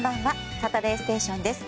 「サタデーステーション」です。